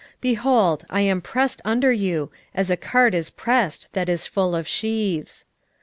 2:13 Behold, I am pressed under you, as a cart is pressed that is full of sheaves.